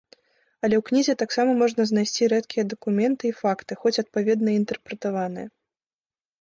Але ў кнізе таксама можна знайсці рэдкія дакументы і факты, хоць адпаведна і інтэрпрэтаваныя.